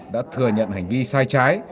đã thừa nhận hành vi sai trái